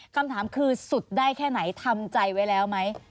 คำถามคือสุดได้แค่ไหนทำใจไว้แล้วไหม